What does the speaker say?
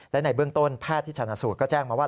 และในเบื้องต้นแพทย์ที่ชนะสูตรก็แจ้งมาว่า